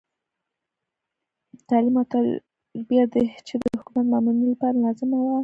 تعلیم او تربیه چې د حکومتي مامورینو لپاره لازمه وه.